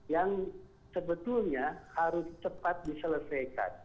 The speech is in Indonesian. yang sebetulnya harus cepat diselesaikan